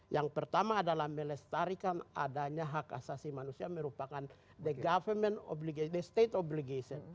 yang pertama adalah melestarikan adanya hak asasi manusia merupakan the government state obligation